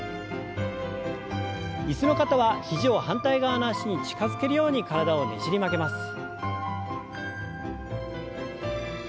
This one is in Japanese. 椅子の方は肘を反対側の脚に近づけるように体をねじり曲げます。